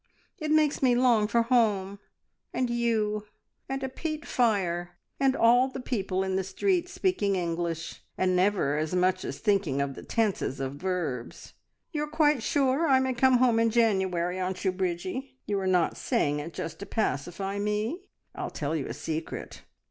It makes me long for home and you, and a peat fire, and all the people in the streets speaking English, and never as much as thinking of the tenses of verbs. "`You are quite sure I may come home in January, aren't you, Bridgie? You are not saying it just to pacify me? I'll tell you a secret!